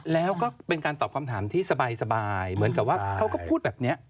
แล้วก็เป็นการตอบคำถามที่สบายเหมือนกับว่าเขาก็พูดแบบนี้